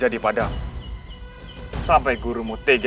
jadikan aku murid